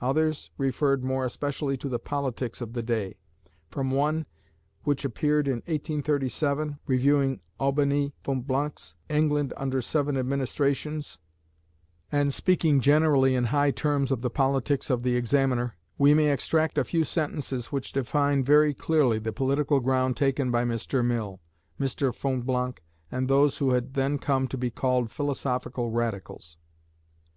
Others referred more especially to the politics of the day. From one, which appeared in 1837, reviewing Albany Fonblanque's "England under Seven Administrations," and speaking generally in high terms of the politics of "The Examiner," we may extract a few sentences which define very clearly the political ground taken by Mr. Mill, Mr. Fonblanque, and those who had then come to be called Philosophical Radicals.